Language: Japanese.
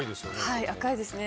はい赤いですね。